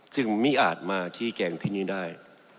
ซึ่งไม่อาจมาชี้แจงที่นี้ได้